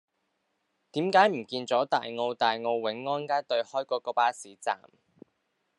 點解唔見左大澳大澳永安街對開嗰個巴士站